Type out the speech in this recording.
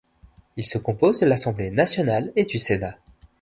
Il se compose de l'Assemblée nationale et du Sénat.